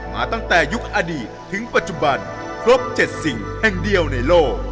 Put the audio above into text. มาตั้งแต่ยุคอดีตถึงปัจจุบันครบ๗สิ่งแห่งเดียวในโลก